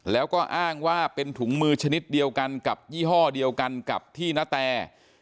แล้วก็อ้างว่าเป็นถุงมือชนิดเดียวกันกับยี่ห้อเดียวกันกับที่นาแต